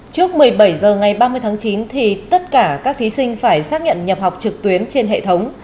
trước một mươi bảy h ngày ba mươi tháng chín thì tất cả các thí sinh phải xác nhận nhập học trực tuyến trên hệ thống